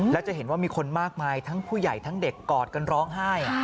แล้วจะเห็นว่ามีคนมากมายทั้งผู้ใหญ่ทั้งเด็กกอดกันร้องไห้